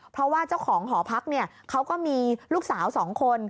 เพราะว่าเจ้าของหอพักเขาก็มีลูกสาว๒คน